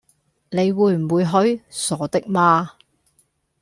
你會唔會去？傻的嗎